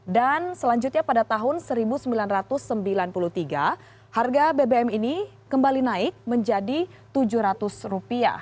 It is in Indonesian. dan selanjutnya pada tahun seribu sembilan ratus sembilan puluh tiga harga bbm ini kembali naik menjadi rp tujuh ratus